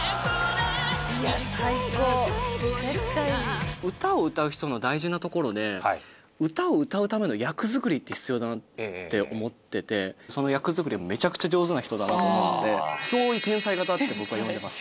いや最高絶対いい歌を歌う人の大事なところで歌を歌うための役作りって必要だなって思っててその役作りがめちゃくちゃ上手な人だなと思って憑依天才型だって僕は呼んでます